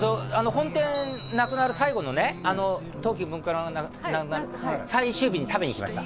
本店なくなる最後のね東急最終日に食べに行きました